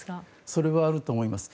それはあると思います。